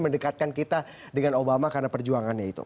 mendekatkan kita dengan obama karena perjuangannya itu